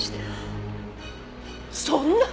そんな！